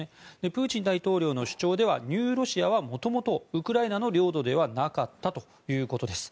プーチン大統領の主張ではニューロシアはもともとウクライナの領土ではなかったということです。